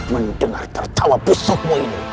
mendengar tertawa busukmu ini